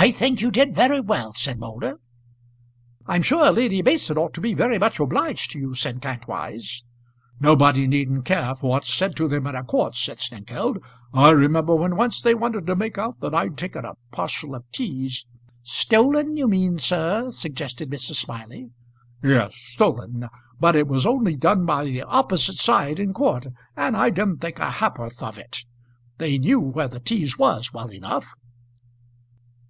"I think you did very well," said Moulder. "I'm sure Lady Mason ought to be very much obliged to you," said Kantwise. "Nobody needn't care for what's said to them in a court," said Snengkeld. "I remember when once they wanted to make out that I'd taken a parcel of teas " "Stolen, you mean, sir," suggested Mrs. Smiley. "Yes; stolen. But it was only done by the opposite side in court, and I didn't think a halfporth of it. They knew where the teas was well enough."